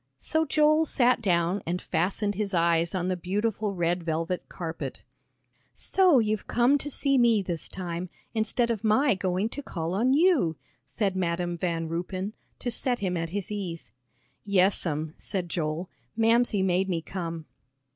So Joel sat down and fastened his eyes on the beautiful red velvet carpet. "So you've come to see me this time, instead of my going to call on you," said Madam Van Ruypen, to set him at his ease. "Yes'm," said Joel, "Mamsie made me come."